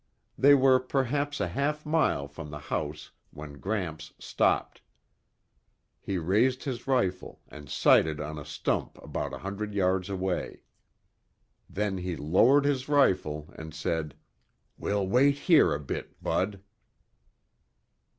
They were perhaps a half mile from the house when Gramps stopped. He raised his rifle and sighted on a stump about a hundred yards away. Then he lowered his rifle and said, "We'll wait here a bit, Bud."